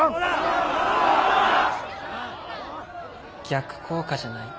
逆効果じゃない？